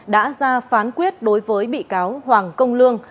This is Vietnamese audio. đã ra phán quyết đối với bị cáo hoàng công lương